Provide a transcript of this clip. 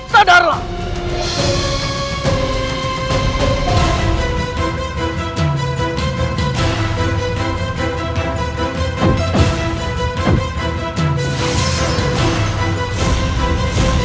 kanda tidak bisa menghadapi rai kenterimanik